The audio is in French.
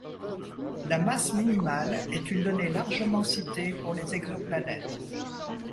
La masse minimale est une donnée largement citée pour les exoplanètes.